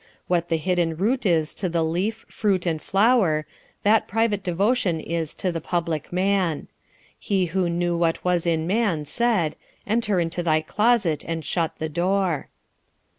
What the hidden root is to the leaf, fruit and flower, that private devotion is to the public man. He who knew what was in man said: "Enter into thy closet and shut the door."